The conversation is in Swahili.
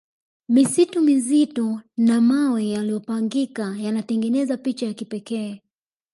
misitu mizito na mawe yaliopangika yanatengezeza picha ya kipekee